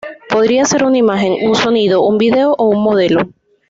Podría ser una imagen, un sonido, un video o un modelo.